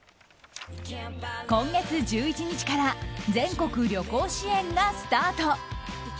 今月１１日から全国旅行支援がスタート。